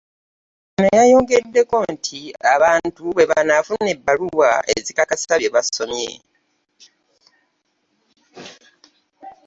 Ono yayongeddeko nti abantu bwe banaafuna ebbaluwa ezikakasa bye basomye